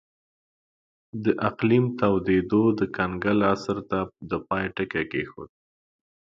د اقلیم تودېدو د کنګل عصر ته د پای ټکی کېښود